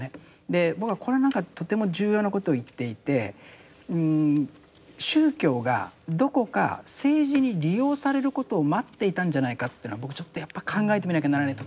で僕はこれなんかとても重要なことを言っていて宗教がどこか政治に利用されることを待っていたんじゃないかっていうのは僕ちょっとやっぱ考えてみなきゃならない